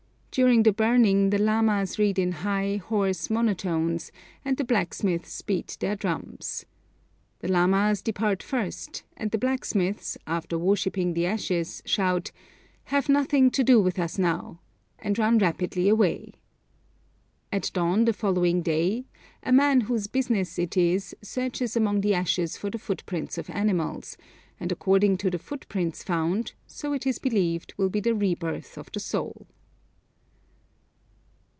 During the burning the lamas read in high, hoarse monotones, and the blacksmiths beat their drums. The lamas depart first, and the blacksmiths, after worshipping the ashes, shout, 'Have nothing to do with us now,' and run rapidly away. At dawn the following day, a man whose business it is searches among the ashes for the footprints of animals, and according to the footprints found, so it is believed will be the re birth of the soul.